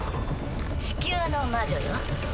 地球の魔女よ。